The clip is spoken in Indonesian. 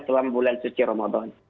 selama bulan suci ramadhan